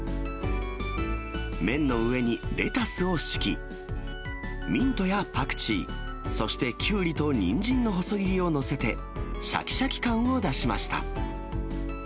麺の上にレタスを敷き、ミントやパクチー、そしてキュウリとニンジンの細切りを載せて、しゃきしゃき感を出しました。